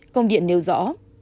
công điện nêu rõ